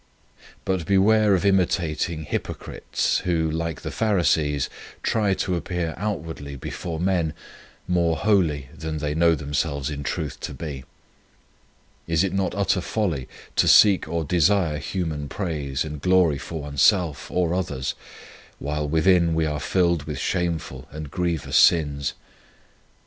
But beware of imitating hypo crites who, like the Pharisees, try to appear outwardly before men more holy than they know them selves in truth to be. Is it not utter folly to seek or desire human praise and glory for oneself or others, while within we are filled with shameful and grievous sins ?